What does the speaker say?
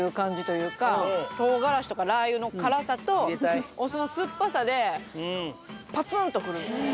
唐辛子とかラー油の辛さとお酢の酸っぱさでパツンと来る。